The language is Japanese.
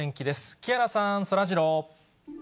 木原さん、そらジロー。